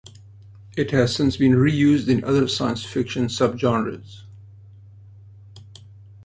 It has since been reused in other science fiction subgenres.